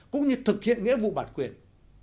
cũng như thực hiện nghĩa vụ bản quyền